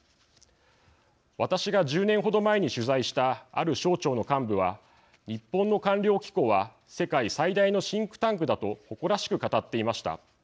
私が１０年ほど前に取材したある省庁の幹部は日本の官僚機構は世界最大のシンクタンクだと誇らしく語っていました。